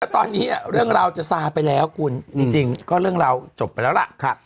ตอนนี้เรื่องราวจะซาไปแล้วคุณจริงก็เรื่องราวจบไปแล้วล่ะ